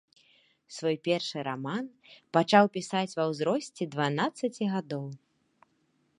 Свой першы раман пачаў пісаць ва ўзросце дванаццаці гадоў.